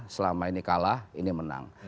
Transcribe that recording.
selama ini kalah ini menang